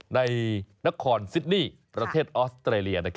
ในนครซิดนี่ประเทศออสเตรเลีย